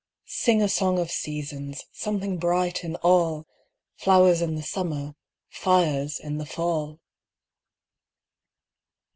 Sing a song of seasons! Something bright in all! Flowers in the summer, Fires in the fall!